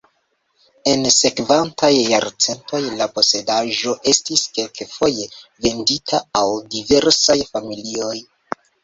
En sekvantaj jarcentoj la posedaĵo estis kelkfoje vendita al diversaj familioj.